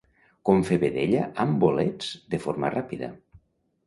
Com fer vedella amb bolets de forma ràpida.